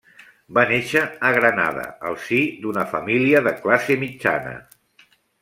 Va néixer a Granada al si d'una família de classe mitjana.